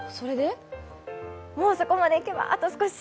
もう、そこまでいけばあと少し！